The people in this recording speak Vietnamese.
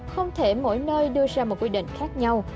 không thể mỗi nơi đưa ra một quy định khác nhau